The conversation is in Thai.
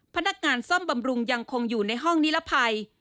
พนักงานซ่อมบำรุงยังคงอยู่ในห้องนิรภัย